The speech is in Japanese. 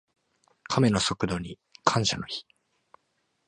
カメの速度に感謝の日。